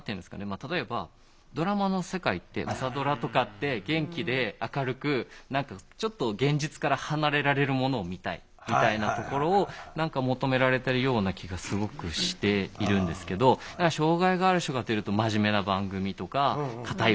例えばドラマの世界って「朝ドラ」とかって元気で明るくちょっと現実から離れられるものを見たいみたいなところを求められてるような気がすごくしているんですけど勉強させられてるみたいな。